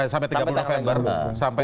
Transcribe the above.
sampai tiga puluh februari